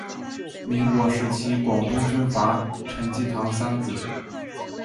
民国时期广东军阀陈济棠三子。